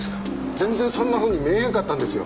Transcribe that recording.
全然そんなふうに見えんかったんですよ。